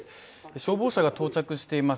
消防車が到着しています。